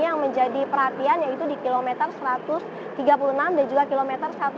yang menjadi perhatian yaitu di km satu ratus tiga puluh enam dan juga km satu ratus lima puluh satu